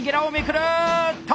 っと！